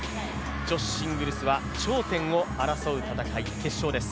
女子シングルスは頂点を争う戦い、決勝です。